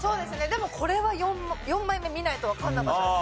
でもこれは４枚目見ないとわかんなかったです。